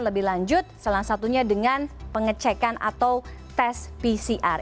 lebih lanjut salah satunya dengan pengecekan atau tes pcr